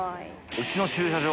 うちの駐車場